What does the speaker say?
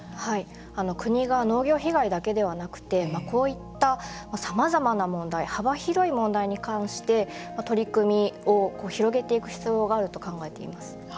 国が農業被害だけではなくてこういったさまざまな問題幅広い問題に関して取り組みを広げていく必要があると考えています。